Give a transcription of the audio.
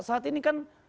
saat ini kan